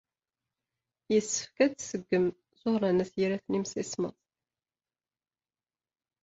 Yessefk ad tṣeggem Ẓuhṛa n At Yiraten imsismeḍ.